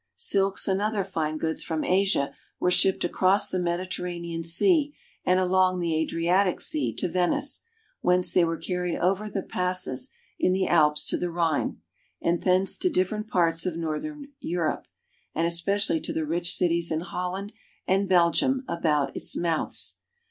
Silks and other fine goods from Asia were shipped across the Mediterranean Sea and along the Adri atic Sea to Venice, whence they were carried over the passes in the Alps to the Rhine, and thence to different parts of northern Europe, and especially to the rich cities in Holland and Belgium about its mouths.